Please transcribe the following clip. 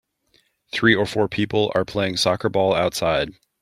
Three or four people are playing soccer ball outside.